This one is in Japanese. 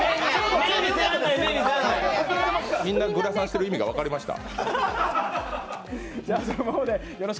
みんなグラサンしてる意味が分かりました。